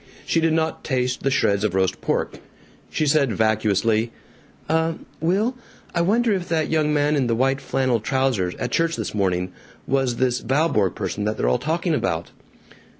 She did not taste the shreds of roast pork. She said vacuously: "Uh Will, I wonder if that young man in the white flannel trousers, at church this morning, was this Valborg person that they're all talking about?"